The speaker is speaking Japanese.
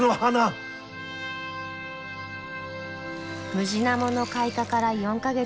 ムジナモの開花から４か月。